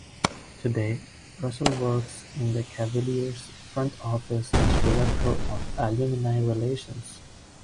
Today, Russell works in the Cavaliers' front office as Director of Alumni Relations.